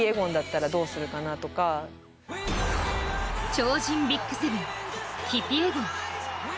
超人ＢＩＧ７、キピエゴン。